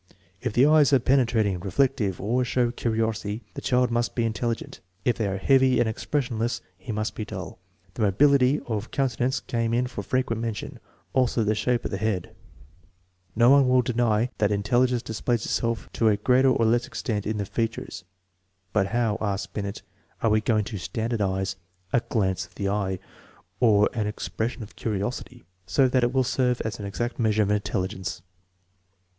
If the eyes are penetrating, reflective, or show curiosity, the child must be intelligent; if they are heavy and expressionless, he must be dull. The mobility of coun tenance came in for frequent mention, also the shape of the head. 30 THE MEASUREMENT OF INTELLIGENCE No one will deny that intelligence displays itself to a greater or less extent in tlie features; but how, asks Binet, are we going to standardize a " glance of the eye " or an " expression of curiosity " so that it will serve as an exact measure of intelligence?